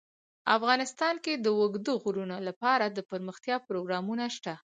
افغانستان کې د اوږده غرونه لپاره دپرمختیا پروګرامونه شته.